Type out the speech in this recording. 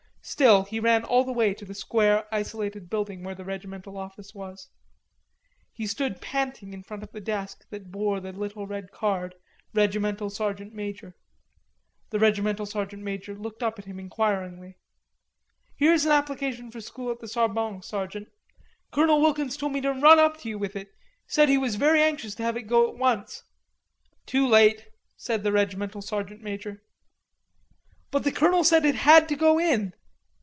Still he ran all the way to the square, isolated building where the regimental office was. He stopped panting in front of the desk that bore the little red card, Regimental Sergeant Major. The regimental sergeant major looked up at him enquiringly. "Here's an application for School at the Sorbonne, Sergeant. Colonel Wilkins told me to run up to you with it, said he was very anxious to have it go in at once." "Too late," said the regimental sergeant major. "But the colonel said it had to go in."